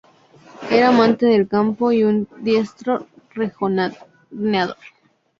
Era amante del campo y un diestro rejoneador.